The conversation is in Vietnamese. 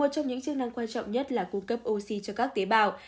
một trong những chức năng quan trọng nhất là cung cấp oxy cho các tế bào